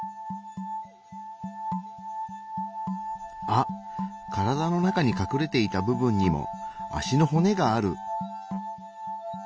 あっ体の中にかくれていた部分にも脚の骨がある。